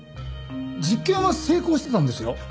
実験は成功してたんですよ。